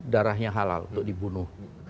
darahnya halal untuk dibunuh